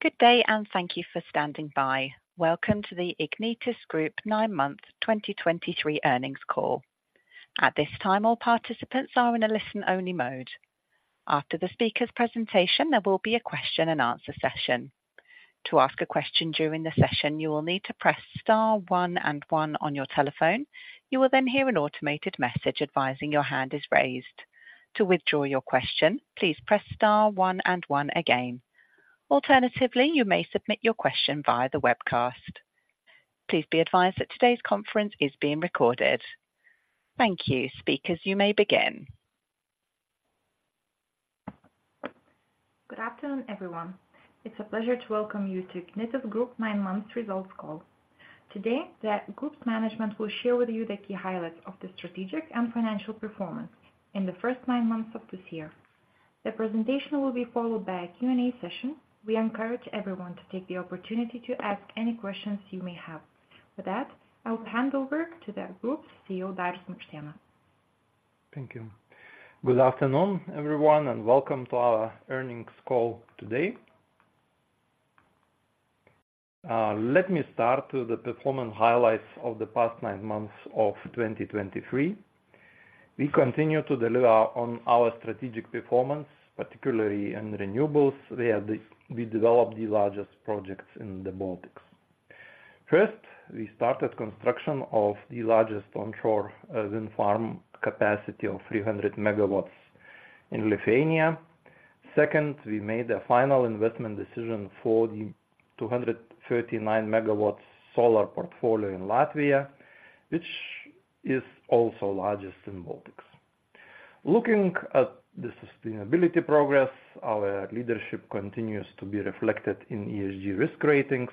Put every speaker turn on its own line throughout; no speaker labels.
`Good day, and thank you for standing by. Welcome to the Ignitis Group Nine-month 2023 Earnings Call. At this time, all participants are in a listen-only mode. After the speaker's presentation, there will be a question-and-answer session. To ask a question during the session, you will need to press star one and one on your telephone. You will then hear an automated message advising your hand is raised. To withdraw your question, please press star one and one again. Alternatively, you may submit your question via the webcast. Please be advised that today's conference is being recorded. Thank you. Speakers, you may begin.
Good afternoon, everyone. It's a pleasure to welcome you to Ignitis Group nine-months results call. Today, the group's management will share with you the key highlights of the strategic and financial performance in the first nine months of this year. The presentation will be followed by a Q&A session. We encourage everyone to take the opportunity to ask any questions you may have. With that, I will hand over to the group CEO, Darius Maikštėnas.
Thank you. Good afternoon, everyone, and welcome to our earnings call today. Let me start with the performance highlights of the past nine months of 2023. We continue to deliver on our strategic performance, particularly in renewables, where we developed the largest projects in the Baltics. First, we started construction of the largest onshore wind farm capacity of 300 MW in Lithuania. Second, we made a final investment decision for the 239 MW solar portfolio in Latvia, which is also largest in Baltics. Looking at the sustainability progress, our leadership continues to be reflected in ESG risk ratings,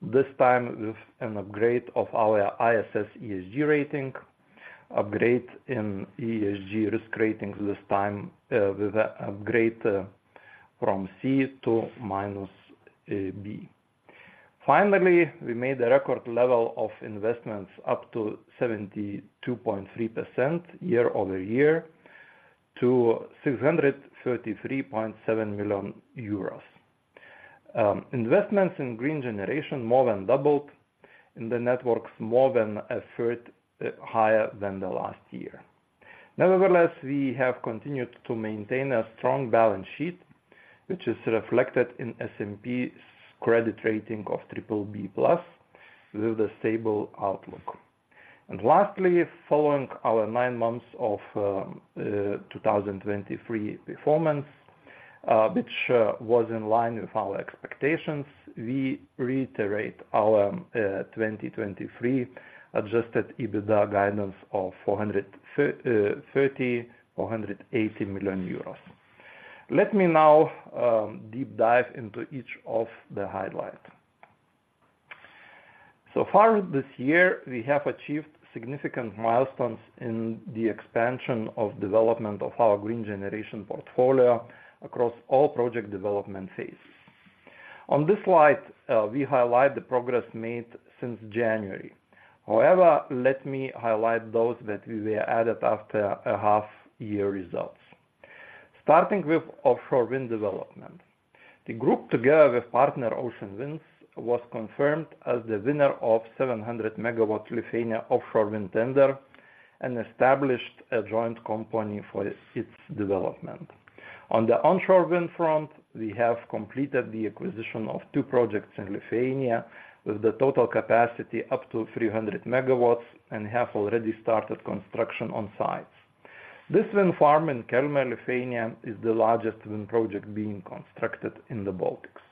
this time with an upgrade of our ISS ESG rating, upgrade in ESG risk ratings, this time, with an upgrade from C to -B. Finally, we made a record-level of investments up to 72.3% year-over-year to 633.7 million euros. Investments in green generation more than doubled, and the networks more than 1/3 higher than the last year. Nevertheless, we have continued to maintain a strong balance sheet, which is reflected in S&P's credit rating of BBB+ with a stable outlook. Lastly, following our nine months of 2023 performance, which was in line with our expectations, we reiterate our 2023 adjusted EBITDA guidance of 430 million-480 million euros. Let me now deep dive into each of the highlights. So far this year, we have achieved significant milestones in the expansion of development of our green generation portfolio across all project development phases. On this slide, we highlight the progress made since January. However, let me highlight those that we were added after a half-year results. Starting with offshore wind development. The group, together with partner Ocean Winds, was confirmed as the winner of 700 MW Lithuania offshore wind tender and established a joint company for its development. On the onshore wind front, we have completed the acquisition of two projects in Lithuania, with the total capacity up to 300 MW and have already started construction on sites. This wind farm in Kelmė, Lithuania, is the largest wind project being constructed in the Baltics.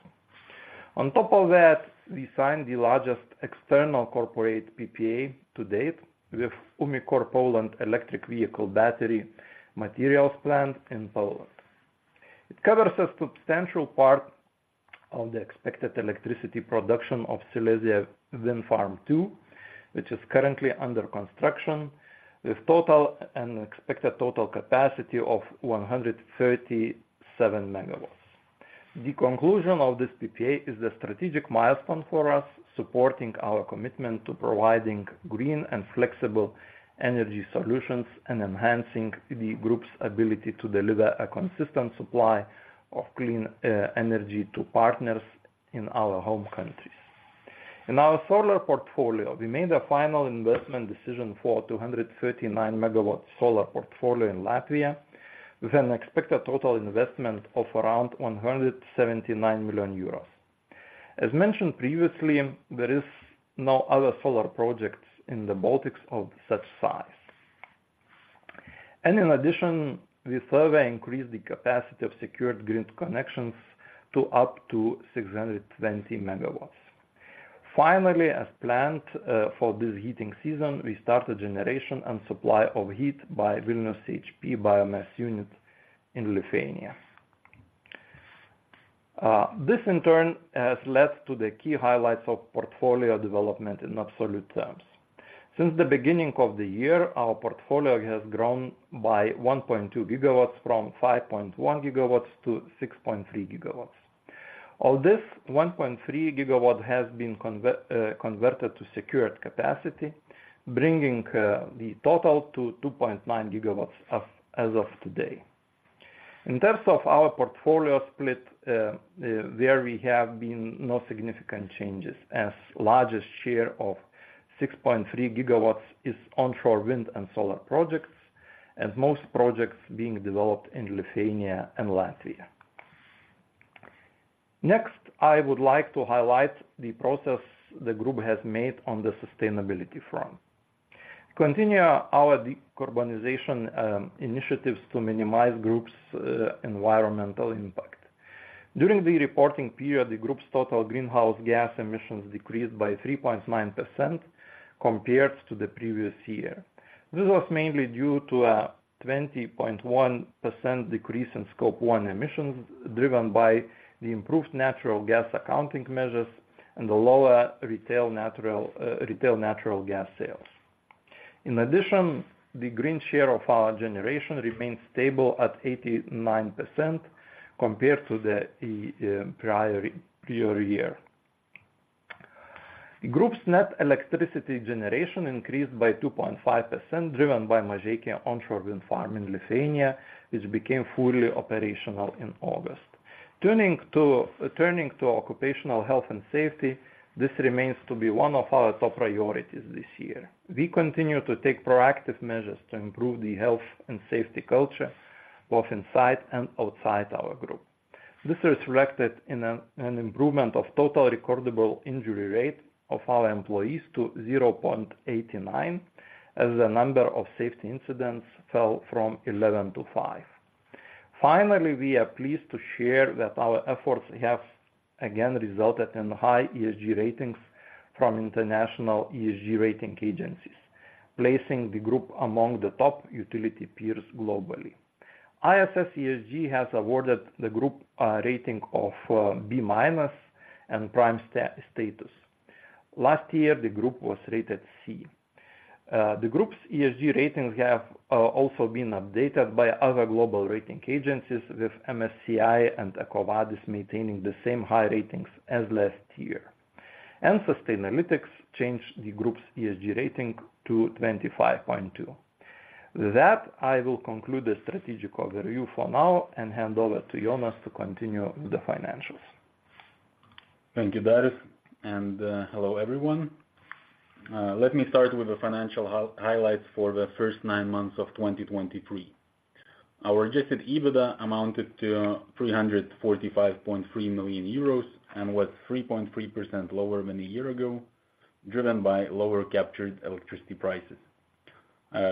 On top of that, we signed the largest external corporate PPA to-date with Umicore Poland electric vehicle battery materials plant in Poland. It covers a substantial part of the expected electricity production of Silesia wind farm II, which is currently under construction, with total and expected total capacity of 137 MW. The conclusion of this PPA is the strategic milestone for us, supporting our commitment to providing green and flexible energy solutions and enhancing the group's ability to deliver a consistent supply of clean, energy to partners in our home countries. In our solar portfolio, we made a final investment decision for 239 MW solar portfolio in Latvia, with an expected total investment of around 179 million euros. As mentioned previously, there is no other solar projects in the Baltics of such size. In addition, we further increased the capacity of secured grid connections to up to 620 MW. Finally, as planned, for this heating season, we started generation and supply of heat by Vilnius CHP biomass unit in Lithuania. This, in turn, has led to the key highlights of portfolio development in absolute terms. Since the beginning of the year, our portfolio has grown by 1.2 GW, from 5.1 GW to 6.3 GW. Of this, 1.3 GW has been converted to secured capacity, bringing the total to 2.9 GW as of today. In terms of our portfolio split, there we have been no significant changes, as largest share of 6.3 GW is onshore wind and solar projects, and most projects being developed in Lithuania and Latvia. Next, I would like to highlight the progress the group has made on the sustainability front. Continue our decarbonization initiatives to minimize group's environmental impact. During the reporting period, the group's total greenhouse gas emissions decreased by 3.9% compared to the previous year. This was mainly due to a 20.1% decrease in Scope 1 emissions, driven by the improved natural gas accounting measures and the lower retail natural gas sales. In addition, the green share of our generation remains stable at 89% compared to the prior year. The group's net electricity generation increased by 2.5%, driven by Mažeikiai onshore wind farm in Lithuania, which became fully-operational in August. Turning to occupational health and safety, this remains to be one of our top priorities this year. We continue to take proactive measures to improve the health and safety culture, both inside and outside our group. This is reflected in an improvement of total recordable injury rate of our employees to 0.89, as the number of safety incidents fell from 11 to five. Finally, we are pleased to share that our efforts have, again, resulted in high ESG ratings from international ESG rating agencies, placing the group among the top utility peers globally. ISS ESG has awarded the group a rating of B- and Prime status. Last year, the group was rated C. The group's ESG ratings have also been updated by other global rating agencies, with MSCI and EcoVadis maintaining the same high ratings as last year. And Sustainalytics changed the group's ESG rating to 25.2. With that, I will conclude the strategic overview for now and hand over to Jonas to continue with the financials.
Thank you, Darius, and hello, everyone. Let me start with the financial highlights for the first nine months of 2023. Our adjusted EBITDA amounted to 345.3 million euros and was 3.3% lower than a year ago, driven by lower-captured electricity prices.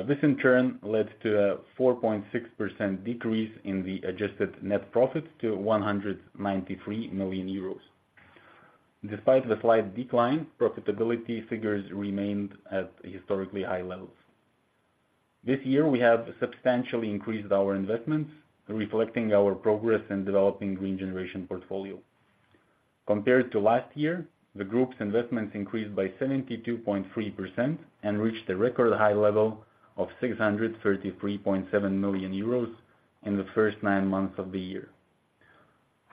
This in turn led to a 4.6% decrease in the adjusted net profits to 193 million euros. Despite the slight decline, profitability figures remained at historically-high levels. This year, we have substantially increased our investments, reflecting our progress in developing green generation portfolio. Compared to last year, the group's investments increased by 72.3% and reached a record-high level of 633.7 million euros in the first nine months of the year.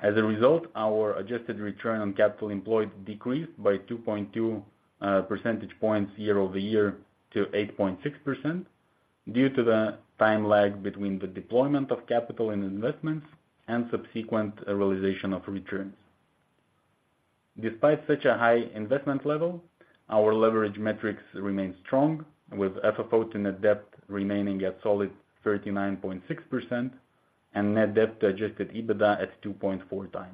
As a result, our adjusted return on capital employed decreased by 2.2 percentage points year-over-year to 8.6%, due to the time lag between the deployment of capital and investments and subsequent realization of returns. Despite such a high investment level, our leverage metrics remain strong, with FFO to net debt remaining at solid 39.6% and net debt to adjusted EBITDA at 2.4x.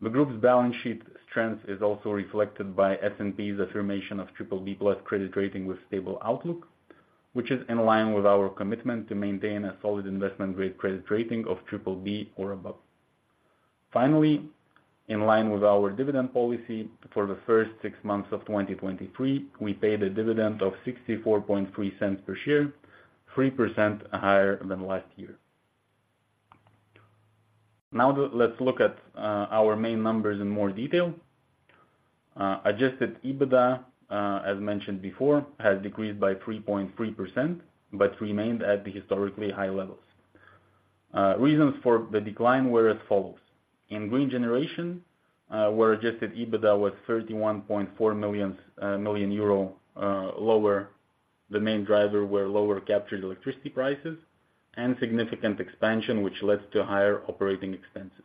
The group's balance sheet strength is also reflected by S&P's affirmation of BBB+ credit rating with stable outlook, which is in line with our commitment to maintain a solid investment-grade credit rating of BBB or above. Finally, in line with our dividend policy for the first six months of 2023, we paid a dividend of 0.643 per share, 3% higher than last year. Now let's look at our main numbers in more detail. Adjusted EBITDA, as mentioned before, has decreased by 3.3%, but remained at the historically-high levels. Reasons for the decline were as follows: In Green Generation, where adjusted EBITDA was 31.4 million euro lower, the main driver were lower-captured electricity prices and significant expansion, which led to higher operating expenses.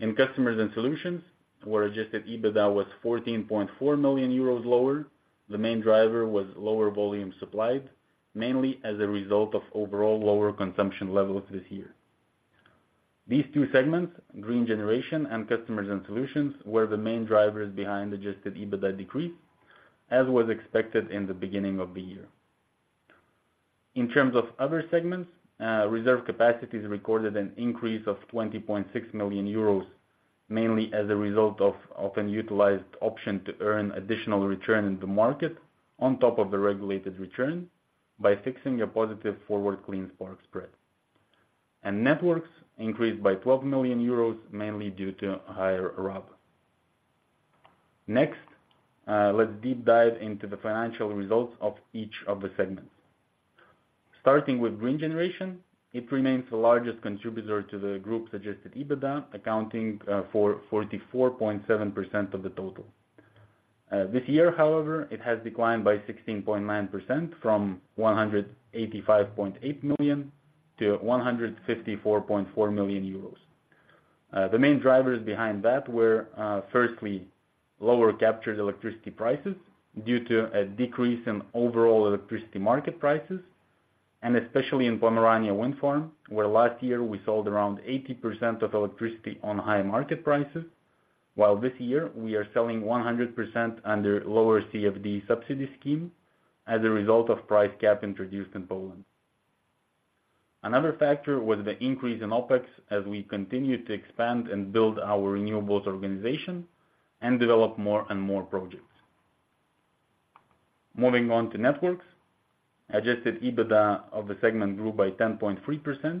In Customers and Solutions, where Adjusted EBITDA was 14.4 million euros lower, the main driver was lower volume supplied, mainly as a result of overall lower consumption levels this year. These two segments, Green Generation and Customers and Solutions, were the main drivers behind adjusted EBITDA decrease, as was expected in the beginning of the year. In terms of other segments, Reserve Capacities recorded an increase of 20.6 million euros, mainly as a result of often utilized option to earn additional return in the market on top of the regulated return by fixing a positive forward Clean Spark Spread. And Networks increased by 12 million euros, mainly due to higher RAB. Next, let's deep dive into the financial results of each of the segments. Starting with Green Generation, it remains the largest contributor to the group's adjusted EBITDA, accounting for 44.7% of the total. This year, however, it has declined by 16.9% from 185.8 million to 154.4 million euros. The main drivers behind that were, firstly, lower captured electricity prices due to a decrease in overall electricity market prices, and especially in Pomerania wind farm, where last year we sold around 80% of electricity on high market prices, while this year we are selling 100% under lower CfD subsidy scheme as a result of price cap introduced in Poland. Another factor was the increase in OpEx as we continued to expand and build our renewables organization and develop more and more projects. Moving on to Networks. adjusted EBITDA of the segment grew by 10.3%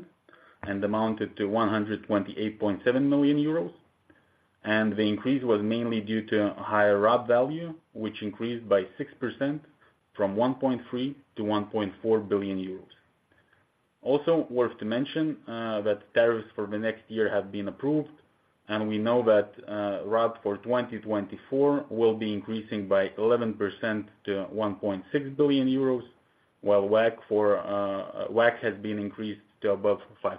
and amounted to 128.7 million euros. The increase was mainly due to a higher RAB value, which increased by 6% from 1.3 billion to 1.4 billion euros. Also, worth to mention that tariffs for the next year have been approved, and we know that RAB for 2024 will be increasing by 11% to 1.6 billion euros, while WACC has been increased to above 5%.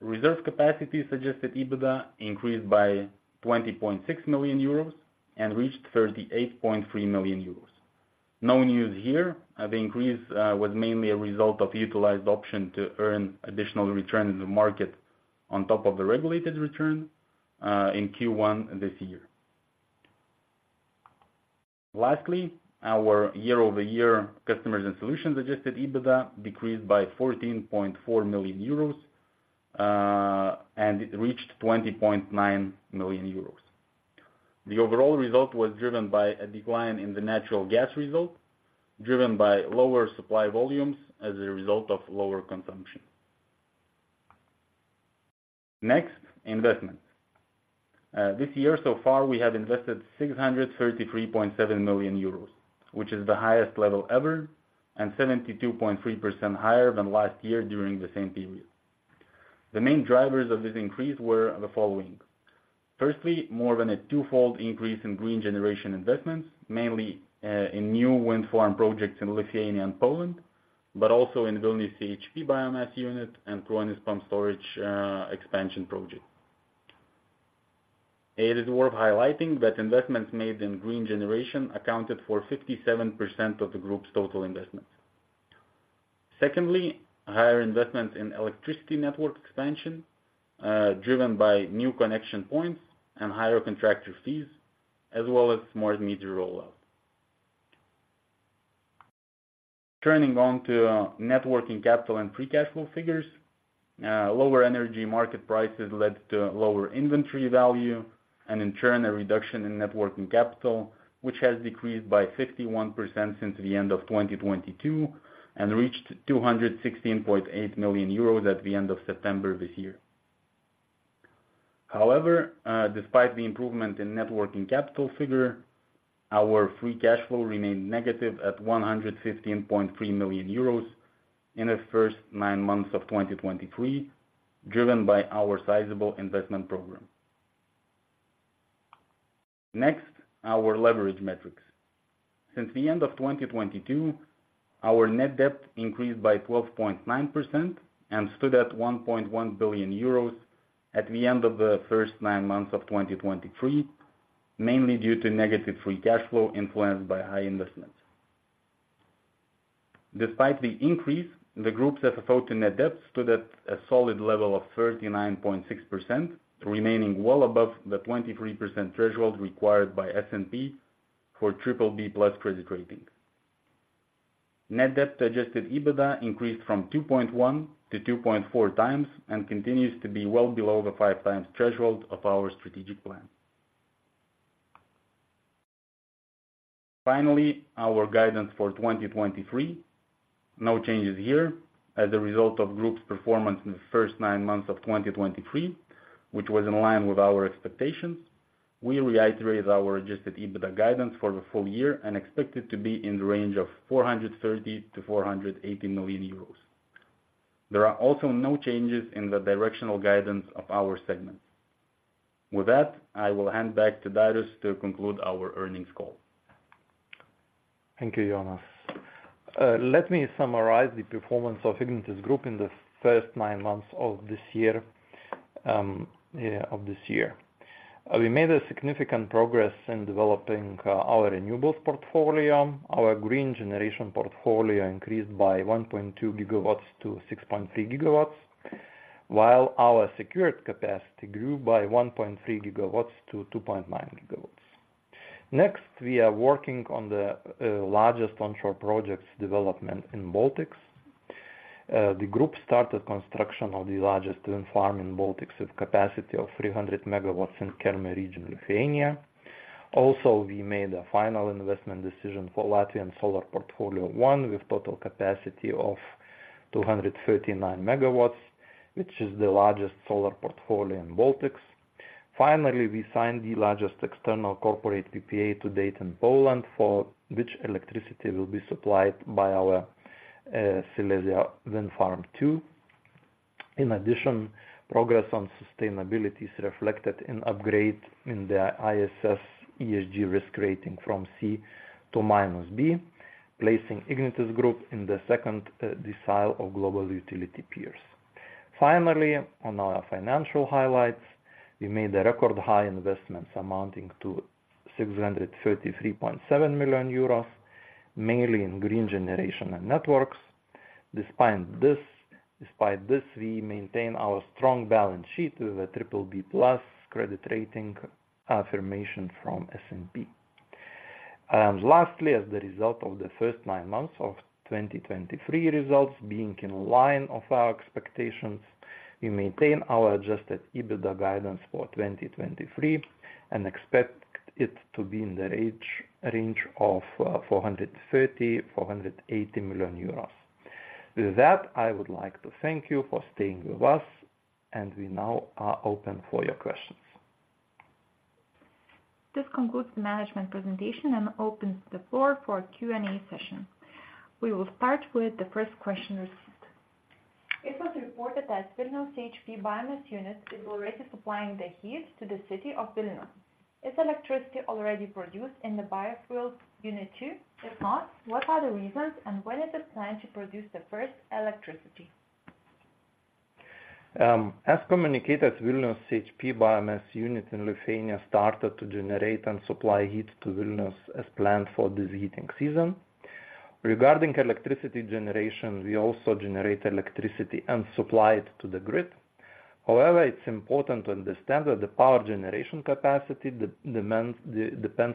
Reserve capacity adjusted EBITDA increased by 20.6 million euros and reached 38.3 million euros. No news here. The increase was mainly a result of utilized option to earn additional return in the market on top of the regulated return in Q1 this year. Lastly, our year-over-year Customers and Solutions adjusted EBITDA decreased by 14.4 million euros, and it reached 20.9 million euros. The overall result was driven by a decline in the natural gas result, driven by lower supply volumes as a result of lower consumption. Next, investment. This year so far, we have invested 633.7 million euros, which is the highest level ever, and 72.3% higher than last year during the same period. The main drivers of this increase were the following: firstly, more than a two-fold increase in green generation investments, mainly, in new wind farm projects in Lithuania and Poland, but also in Vilnius CHP biomass unit and Kruonis Pumped Storage expansion project. It is worth highlighting that investments made in green generation accounted for 57% of the group's total investment. Secondly, higher investment in electricity network expansion, driven by new connection points and higher contractor fees, as well as smart meter rollout. Turning to net working capital and free cash flow figures. Lower energy market prices led to lower inventory value and, in turn, a reduction in net working capital, which has decreased by 51% since the end of 2022 and reached 216.8 million euros at the end of September this year. However, despite the improvement in net working capital figure, our free cash flow remained negative at 115.3 million euros in the first nine months of 2023, driven by our sizable investment program. Next, our leverage metrics. Since the end of 2022, our net debt increased by 12.9% and stood at 1.1 billion euros at the end of the first nine months of 2023, mainly due to negative free cash flow influenced by high investments. Despite the increase, the group's FFO to net debt stood at a solid level of 39.6%, remaining well-above the 23% threshold required by S&P for BBB+ credit rating. Net debt to adjusted EBITDA increased from 2.1x to 2.4x and continues to be well-below the 5x threshold of our strategic plan. Finally, our guidance for 2023. No changes here. As a result of group's performance in the first nine months of 2023, which was in line with our expectations, we reiterate our adjusted EBITDA guidance for the full year and expect it to be in the range of 430 million-480 million euros. There are also no changes in the directional guidance of our segments. With that, I will hand back to Darius to conclude our earnings call.
Thank you, Jonas. Let me summarize the performance of Ignitis Group in the first nine months of this year, of this year. We made a significant progress in developing our renewables portfolio. Our green generation portfolio increased by 1.2 GW to 6.3 GW, while our secured capacity grew by 1.3 GW to 2.9 GW. Next, we are working on the largest onshore projects development in Baltics. The group started construction of the largest wind farm in Baltics, with capacity of 300 MW in Kelmė region, Lithuania. Also, we made a final investment decision for Latvian solar portfolio one, with total capacity of 239 MW, which is the largest solar portfolio in Baltics. Finally, we signed the largest external corporate PPA to-date in Poland, for which electricity will be supplied by our Silesia wind farm II. In addition, progress on sustainability is reflected in upgrade in the ISS ESG risk rating from C to -B, placing Ignitis Group in the second decile of global utility peers. Finally, on our financial highlights, we made a record-high investments amounting to 633.7 million euros, mainly in Green Generation and Networks. Despite this, we maintain our strong balance sheet with a BBB+ credit rating affirmation from S&P. Lastly, as the result of the first nine months of 2023 results, being in line of our expectations, we maintain our adjusted EBITDA guidance for 2023, and expect it to be in the range of 430 million-480 million euros. With that, I would like to thank you for staying with us, and we now are open for your questions.
This concludes the management presentation and opens the floor for a Q&A session. We will start with the first question received. It was reported that Vilnius CHP biomass unit is already supplying the heat to the city of Vilnius. Is electricity already produced in the biofuel unit two? If not, what are the reasons, and when is it planned to produce the first electricity?
As communicated, Vilnius CHP biomass unit in Lithuania started to generate and supply heat to Vilnius as planned for this heating season. Regarding electricity generation, we also generate electricity and supply it to the grid. However, it's important to understand that the power generation capacity depends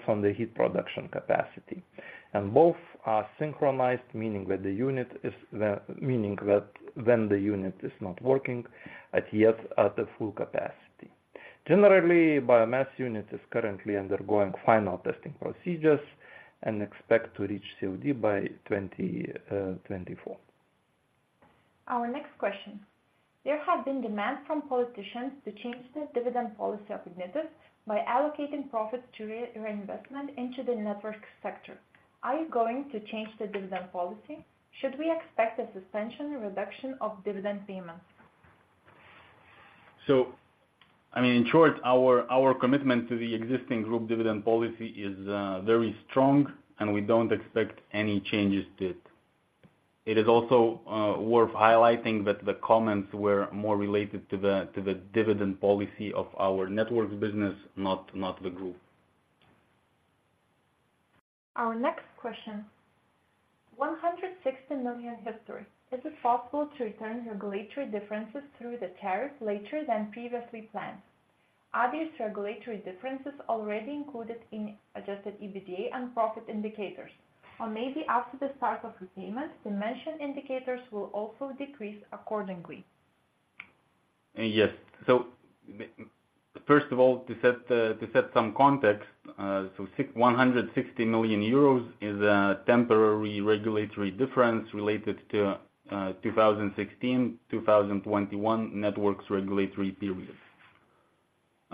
on the heat production capacity. And both are synchronized, meaning that when the unit is not working, it heats at the full capacity. Generally, biomass unit is currently undergoing final testing procedures and expect to reach COD by 2024.
Our next question: There have been demands from politicians to change the dividend policy of Ignitis by allocating profits to reinvestment into the network sector. Are you going to change the dividend policy? Should we expect a suspension or reduction of dividend payments?
So, I mean, in short, our commitment to the existing group dividend policy is very strong, and we don't expect any changes to it. It is also worth highlighting that the comments were more related to the dividend policy of our Networks business, not the group.
Our next question: 160 million historic. Is it possible to return regulatory differences through the tariff later than previously-planned? Are these regulatory differences already included in adjusted EBITDA and profit indicators? Or maybe after the start of repayment, the mentioned indicators will also decrease accordingly?
Yes. So first of all, to set some context, so 160 million euros is a temporary regulatory difference related to 2016-2021 networks regulatory period.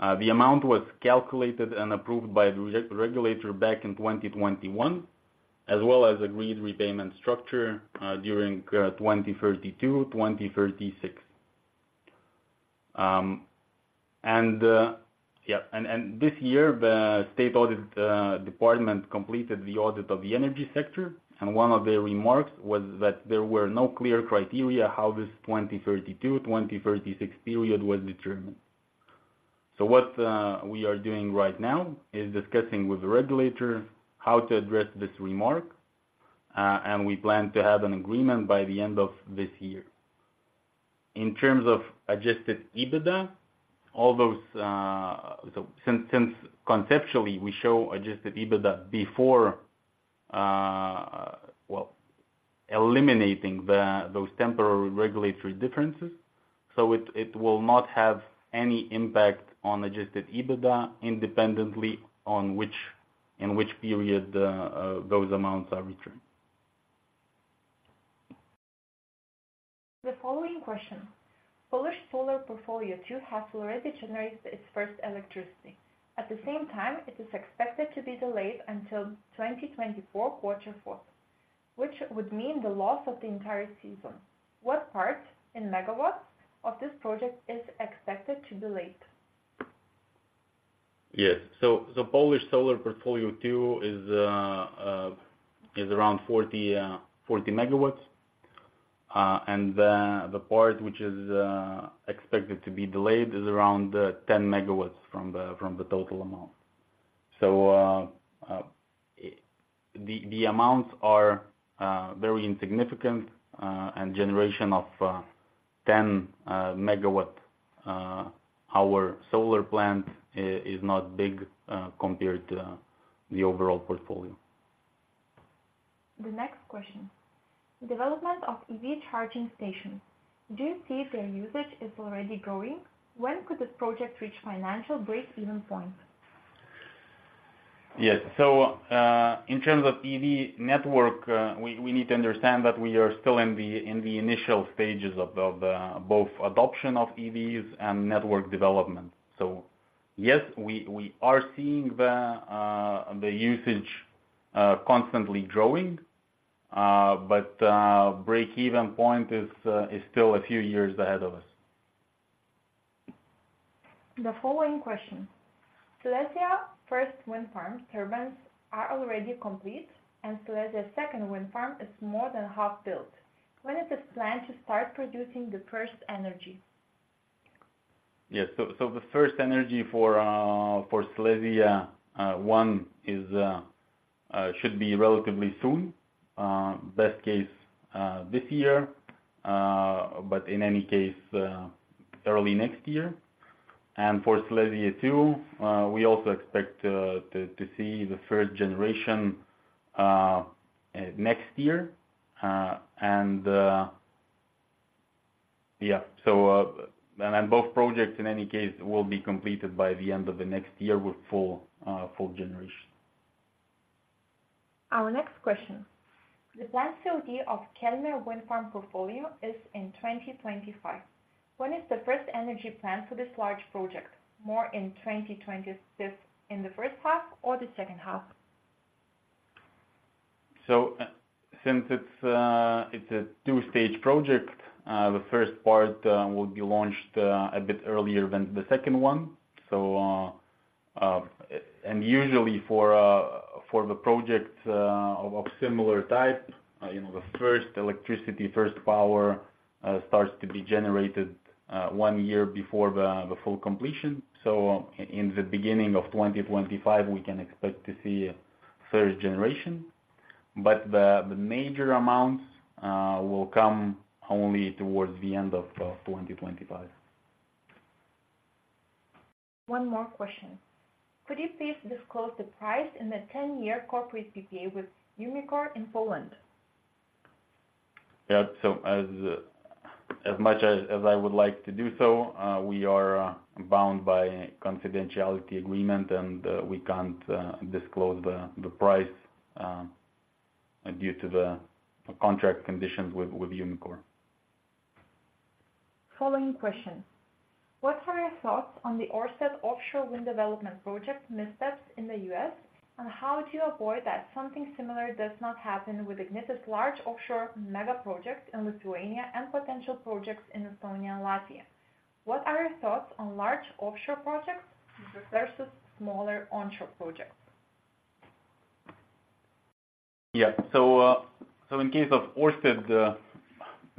The amount was calculated and approved by the regulator back in 2021, as well as agreed repayment structure during 2032-2036. And yeah, and this year, the State Audit Department completed the audit of the energy sector, and one of the remarks was that there were no clear criteria how this 2032-2036 period was determined. So what we are doing right now is discussing with the regulator how to address this remark, and we plan to have an agreement by the end of this year. In terms of adjusted EBITDA, all those... So since, since conceptually, we show adjusted EBITDA before, well, eliminating those temporary regulatory differences, so it, it will not have any impact on adjusted EBITDA, independently, on in which period those amounts are returned.
The following question: Polish solar portfolio two has already generated its first electricity. At the same time, it is expected to be delayed until 2024, quarter four, which would mean the loss of the entire season. What part, in megawatt, of this project is expected to be delayed?
Yes. So the Polish solar portfolio two is around 40 MW. And the part which is expected to be delayed is around 10 MW from the total amount. So the amounts are very insignificant, and generation of 10 MWh solar plant is not big compared to the overall portfolio.
The next question: Development of EV charging station. Do you see their usage is already growing? When could this project reach financial break-even point?
Yes. So, in terms of EV network, we need to understand that we are still in the initial stages of the both adoption of EVs and network development. So yes, we are seeing the usage constantly growing. But, break-even point is still a few years ahead of us.
The following question: Silesia first wind farm turbines are already complete, and Silesia second wind farm is more than half-built. When is the plan to start producing the first energy?
Yes. So the first energy for Silesia I should be relatively soon. Best case, this year, but in any case, early next year. And for Silesia II, we also expect to see the first generation next year. And yeah, so and both projects, in any case, will be completed by the end of the next year with full generation.
Our next question: the planned COD of Kelmė wind farm portfolio is in 2025. When is the first energy plan for this large project? More in 2025, in the first half or the second half?
Since it's a two-stage project, the first part will be launched a bit earlier than the second one. Usually for the project of similar type, you know, the first electricity, first power starts to be generated one year before the full completion. In the beginning of 2025, we can expect to see first generation, but the major amounts will come only towards the end of 2025.
One more question: Could you please disclose the price in the ten-year corporate PPA with Umicore in Poland?
Yeah. So as much as I would like to do so, we are bound by confidentiality agreement, and we can't disclose the price due to the contract conditions with Umicore.
Following question: What are your thoughts on the Ørsted offshore wind development project missteps in the U.S.? And how do you avoid that something similar does not happen with Ignitis large offshore mega projects in Lithuania and potential projects in Estonia and Latvia? What are your thoughts on large offshore projects versus smaller onshore projects?
Yeah. So, so in case of Ørsted,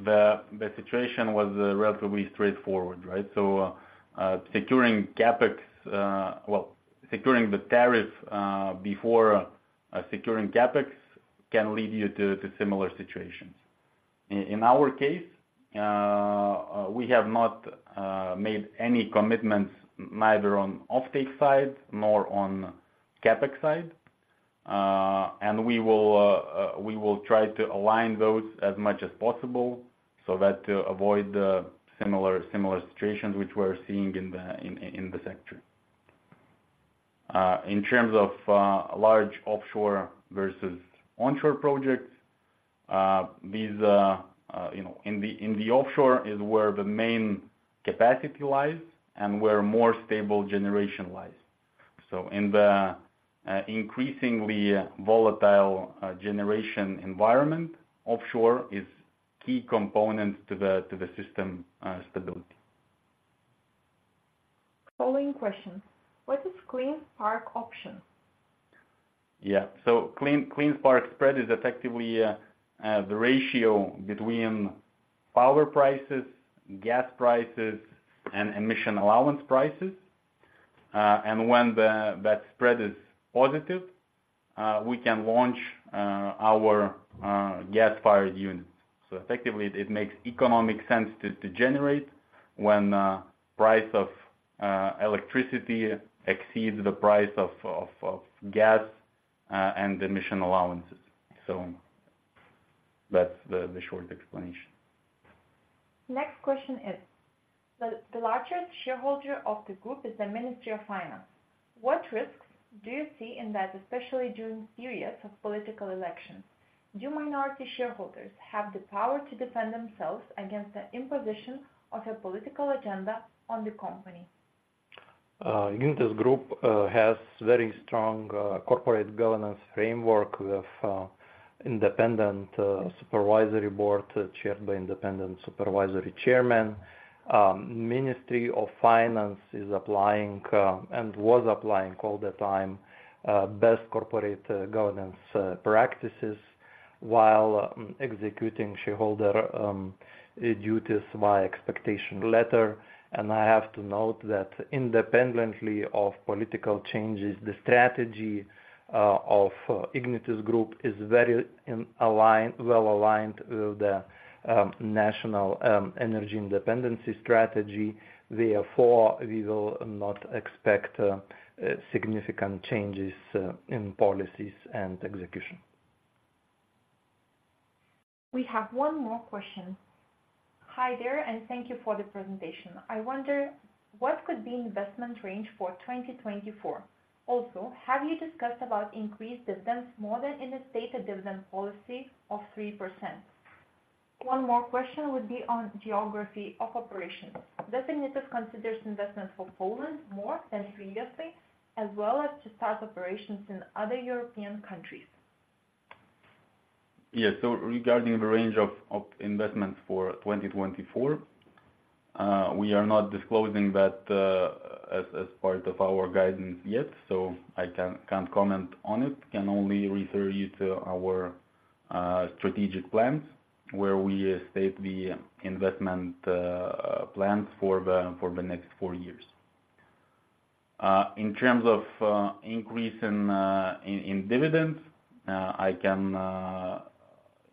the situation was relatively straightforward, right? So, securing CapEx, well, securing the tariff before securing CapEx can lead you to similar situations. In our case, we have not made any commitments, neither on offtake side, nor on CapEx side. And we will try to align those as much as possible so that to avoid the similar situations which we're seeing in the sector. In terms of large offshore versus onshore projects, you know, in the offshore is where the main capacity lies and where more stable generation lies. So in the increasingly volatile generation environment, offshore is key component to the system stability.
Following question: What is Clean Spark option?
Clean Spark Spread is effectively the ratio between power prices, gas prices, and emission allowance prices. And when that spread is positive, we can launch our gas-fired units. So effectively it makes economic sense to generate when price of electricity exceeds the price of gas and emission allowances. So that's the short explanation.
Next question is: The largest shareholder of the group is the Ministry of Finance. What risks do you see in that, especially during periods of political elections? Do minority shareholders have the power to defend themselves against the imposition of a political agenda on the company?
Ignitis Group has very strong corporate governance framework with independent Supervisory Board, chaired by Independent Supervisory Chairman. Ministry of Finance is applying and was applying all the time best corporate governance practices, while executing shareholder duties by expectation letter. And I have to note that independently of political changes, the strategy of Ignitis Group is very well-aligned with the National Energy Independence Strategy. Therefore, we will not expect significant changes in policies and execution.
We have one more question. Hi there, and thank you for the presentation. I wonder, what could be investment range for 2024? Also, have you discussed about increased dividends more than in the stated dividend policy of 3%? One more question would be on geography of operations. Does Ignitis considers investment for Poland more than previously, as well as to start operations in other European countries?
Yes. So regarding the range of investments for 2024, we are not disclosing that as part of our guidance yet, so I can't comment on it. Can only refer you to our strategic plans, where we state the investment plans for the next four years. In terms of increase in dividends, I can,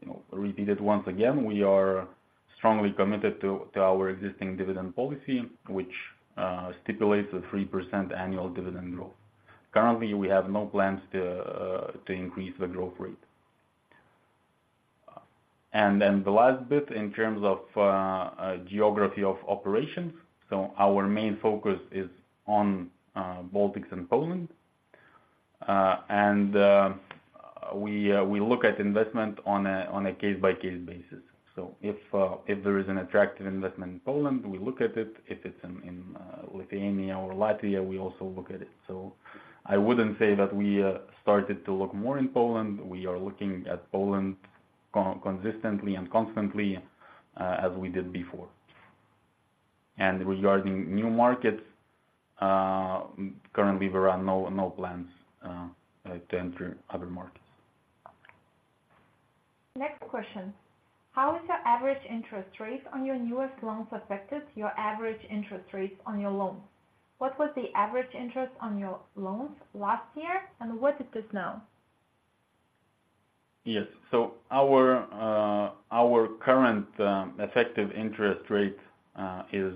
you know, repeat it once again. We are strongly-committed to our existing dividend policy, which stipulates a 3% annual dividend growth. Currently, we have no plans to increase the growth rate. And then the last bit, in terms of geography of operations, so our main focus is on Baltics and Poland. And we look at investment on a case-by-case basis. So if there is an attractive investment in Poland, we look at it. If it's in Lithuania or Latvia, we also look at it. So I wouldn't say that we started to look more in Poland. We are looking at Poland consistently and constantly, as we did before. And regarding new markets, currently, there are no plans to enter other markets.
Next question: How is your average interest rates on your newest loans affected your average interest rates on your loans? What was the average interest on your loans last year, and what is it now?
Yes. So our current effective interest rate is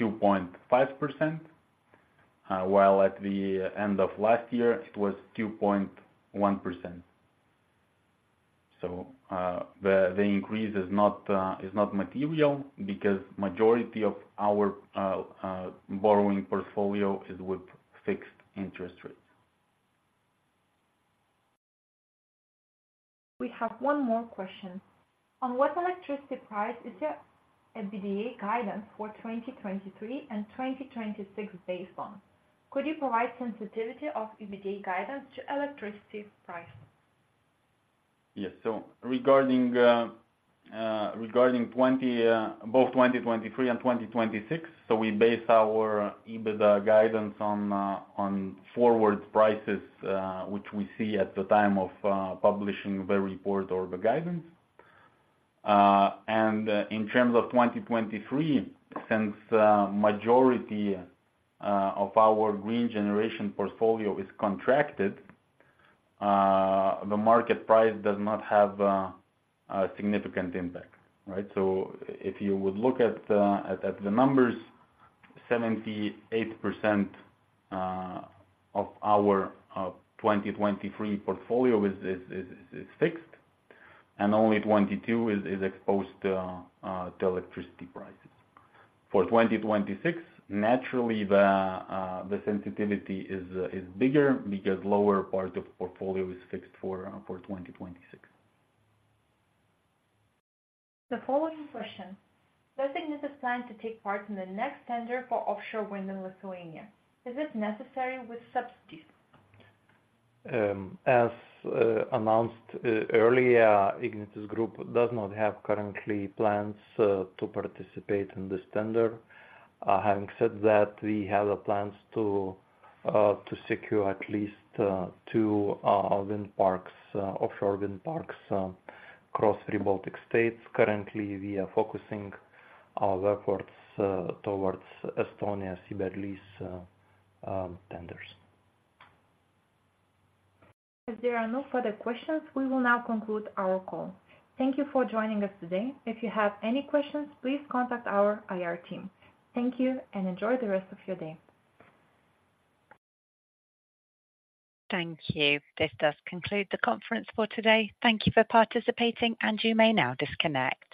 2.5%, while at the end of last year, it was 2.1%. So, the increase is not material because majority of our borrowing portfolio is with fixed interest rates.
We have one more question. On what electricity price is your EBITDA guidance for 2023 and 2026 based on? Could you provide sensitivity of EBITDA guidance to electricity price?
Yes. So regarding both 2023 and 2026, so we base our EBITDA guidance on forward prices, which we see at the time of publishing the report or the guidance. And in terms of 2023, since majority of our green generation portfolio is contracted, the market price does not have a significant impact, right? So if you would look at the numbers, 78% of our 2023 portfolio is fixed, and only 22 is exposed to electricity prices. For 2026, naturally, the sensitivity is bigger because lower part of portfolio is fixed for 2026.
The following question: Does Ignitis plan to take part in the next tender for offshore wind in Lithuania? Is it necessary with subsidies?
As announced earlier, Ignitis Group does not have currently plans to participate in this tender. Having said that, we have the plans to secure at least two wind parks, offshore wind parks, across three Baltic states. Currently, we are focusing our efforts towards Estonia seabed lease tenders.
As there are no further questions, we will now conclude our call. Thank you for joining us today. If you have any questions, please contact our IR team. Thank you, and enjoy the rest of your day.
Thank you. This does conclude the conference for today. Thank you for participating, and you may now disconnect.